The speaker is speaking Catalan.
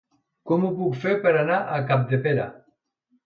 Com ho puc fer per anar a Capdepera?